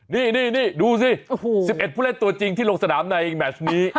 นี่ดูสิ๑๑ผู้เล่นตัวจริงที่ลงสนามในแมชนี้